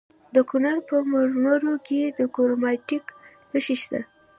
د کونړ په مروره کې د کرومایټ نښې شته.